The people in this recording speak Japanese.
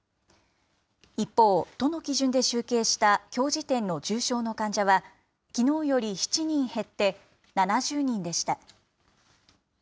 一方、都の基準で集計したきょう時点の重症の患者は、きのうより７人減って、７０人でした。